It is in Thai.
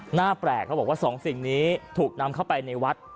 หน้าแปลกเขาบอกว่าสองสิ่งนี้ถูกนำเข้าไปในวัด